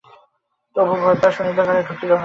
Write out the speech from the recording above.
অপু ভয় পাইয়া আর সুনীলদের ঘরে ঢুকিল না।